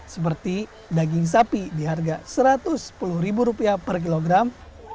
seperti daging sapi di harga rp satu ratus sepuluh per kilogram